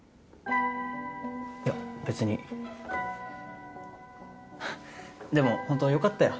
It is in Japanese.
いや別にでもほんとよかったよ